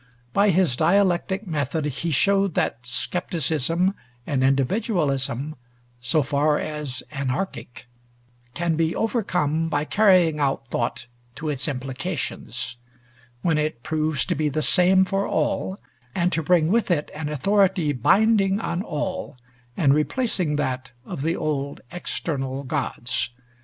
By his dialectic method he showed that skepticism and individualism, so far as anarchic, can be overcome by carrying out thought to its implications; when it proves to be the same for all, and to bring with it an authority binding on all, and replacing that of the old external gods.